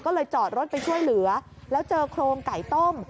ก็เลยจอดรถไปช่วยเหลือแล้วเจอโครงไก่ต้ม